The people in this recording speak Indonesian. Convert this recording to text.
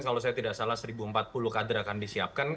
kalau saya tidak salah seribu empat puluh kader akan disiapkan